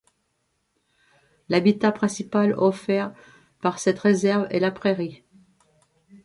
L'habitat principal offert par cette réserve est la prairie.